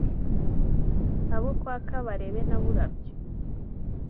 Abo kwa Kabarebe na Burabyo